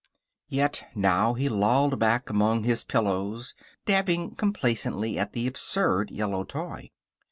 Yet now he lolled back among his pillows, dabbing complacently at the absurd yellow toy.